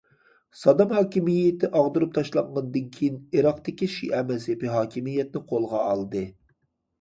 سادام ھاكىمىيىتى ئاغدۇرۇپ تاشلانغاندىن كېيىن، ئىراقتىكى شىئە مەزھىپى ھاكىمىيەتنى قولىغا ئالدى.